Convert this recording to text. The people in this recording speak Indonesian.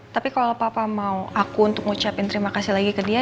tapi kalau papa mau aku untuk ngucapin terima kasih lagi ke dia